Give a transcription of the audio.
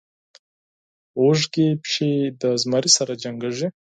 وږى پيشو د زمري سره جنکېږي.